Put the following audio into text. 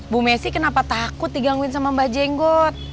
bu messi kenapa takut digangguin sama mba jengot